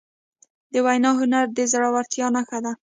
د وینا هنر د زړهورتیا نښه ده.